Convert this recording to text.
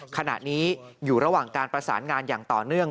ขณะนี้อยู่ระหว่างการประสานงานอย่างต่อเนื่อง